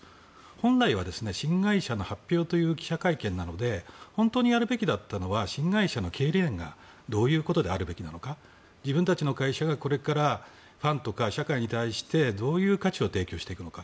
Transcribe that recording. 本来は新会社の発表という記者会見なので本当にやるべきだったのは新会社の経営理念がどういうことであるべきなのか自分たちの会社がこれからファンとか社会に対してどういう価値を提示していくのか。